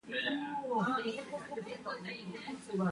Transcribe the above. It was originally believed that Abassi and Atai live in the Sun.